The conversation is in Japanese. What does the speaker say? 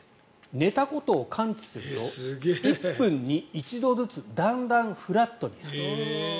寝たことを感知すると１分に１度ずつだんだんフラットに。